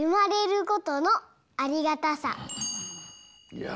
いや。